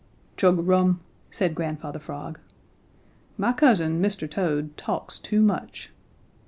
"Chug a rum," said Grandfather Frog. "My cousin, Mr. Toad, talks too much."